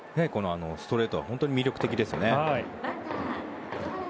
ストレートは魅力的ですよね。